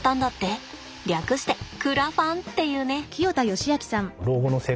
略してクラファンっていうね。